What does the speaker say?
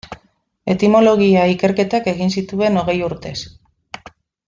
Etimologia-ikerketak egin zituen hogei urtez.